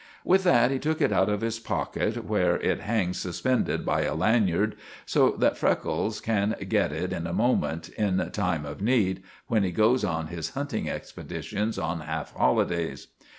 With that he took it out of his pocket, where it hangs suspended by a lanyard, so that Freckles can get it in a moment, in time of need, when he goes on his hunting expeditions on half holidays.